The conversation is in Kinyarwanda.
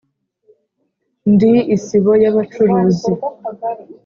Ndi isibo y' abacuruzi,